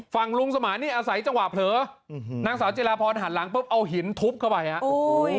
ฝั่งลุงสมานนี่อาศัยจังหวะเผลอนางสาวจิลาพรหันหลังปุ๊บเอาหินทุบเข้าไปฮะโอ้โห